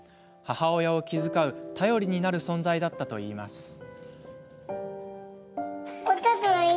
母親を気遣う頼りになる存在だったといいます。